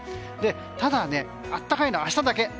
ただ、暖かいのは明日だけ。